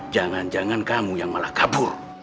jangan jangan kamu yang malah kabur